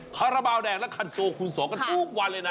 คาราบาลแดงและคันโซคูณ๒กันทุกวันเลยนะ